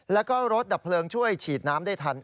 แล้วก็รถดับเพลิงช่วยฉีดน้ำได้ทัน